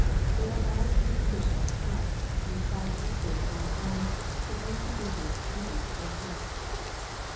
They are borrowed from the condition of a house, and applied to the state of a reformed, but unconverted, people or heart.